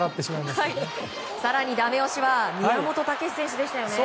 更に、ダメ押しは宮本丈選手でした。